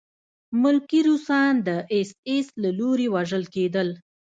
ملکي روسان د اېس ایس له لوري وژل کېدل